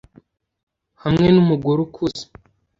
'hamwe numugore ukuze